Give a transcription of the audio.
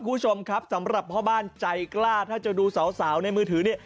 คุณผู้ชมครับสำหรับพ่อบ้านใจกล้าถ้าจะดูสาวในมือถือเนี่ย